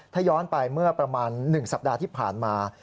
ถ้าย้อนไปเมื่อประมาณ๑สัปดาห์ที่ผ่านมา